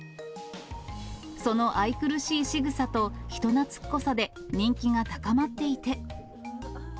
その愛くるしいしぐさと、人なつっこさで人気が高まっていて。